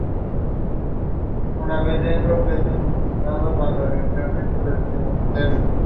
Brown ejerció como abogada durante varios años, trabajando con validación.